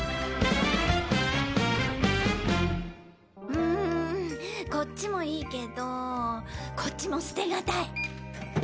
うんこっちもいいけどこっちも捨てがたい。